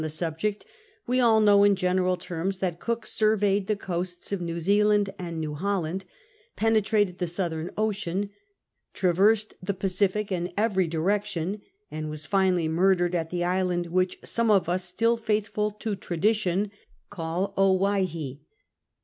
VI THE FIRST VOYAGE 67 the subject, we all know in general terms that Cook surveyed the coasts of New Zealand and New Holland, penetrated the southern ocean, traversed the Pacific in every direction, and was finally murdered at the island which some of us still, faithful to tradition, call Owhyhee.